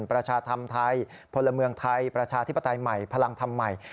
ประชาธรรมไทยพลเมืองไทยประชาธิปไตยใหม่พลังธรรมใหม่